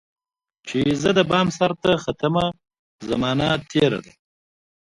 چي زه دبام سرته ختمه، زمانه تیره ده